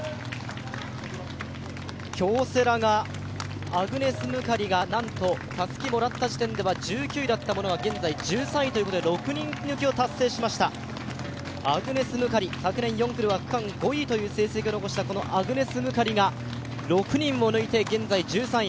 京セラがアグネス・ムカリがなんと、たすきをもらった時点では１９位だったものが現在１３位ということで６人抜きを達成しました、アグネス・ムカリ、昨年４区では区間５位という成績を残したアグネス・ムカリが６人を抜いて現在１３位。